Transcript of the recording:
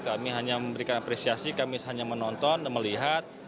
kami hanya memberikan apresiasi kami hanya menonton dan melihat